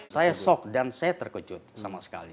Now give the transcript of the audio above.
saya shock dan saya terkejut sama sekali